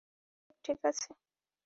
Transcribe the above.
আপনার চোখ ঠিক আছে।